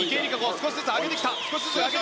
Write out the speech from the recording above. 少しずつ上げてきた！